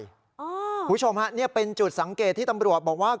คุณผู้ชมฮะนี่เป็นจุดสังเกตที่ตำรวจบอกว่า